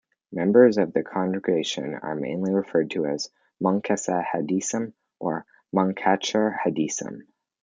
Members of the congregation are mainly referred to as "Munkacs Hasidim" or "Munkatcher Hasidim".